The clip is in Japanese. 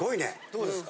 どうですか？